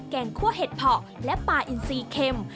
แกงคั่วเห็ดเพาะและปลาอินทรีย์เค็ม